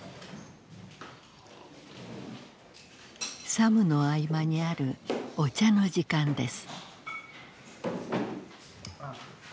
作務の合間にあるお茶の時間です。